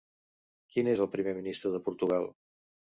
Qui és el primer ministre de Portugal?